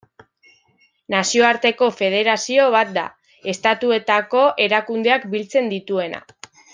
Nazioarteko federazio bat da, estatuetako erakundeak biltzen dituena.